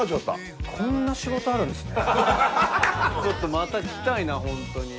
ちょっとまた来たいなホントに。